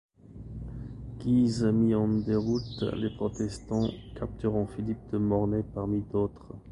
Guise mit en déroute les protestants, capturant Philippe de Mornay parmi d'autres.